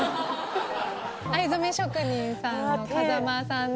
藍染め職人さんの風間さんで。